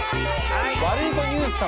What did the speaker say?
ワルイコニュース様。